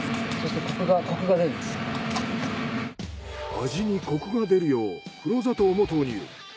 味にコクが出るよう黒砂糖も投入。